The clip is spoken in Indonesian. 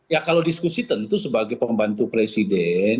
ya kalau diskusi tentu sebagai pembantu presiden